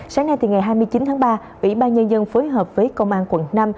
sáng nay ngày hai mươi chín tháng ba ủy ban nhân dân phối hợp với công an quận năm